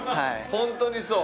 本当にそう。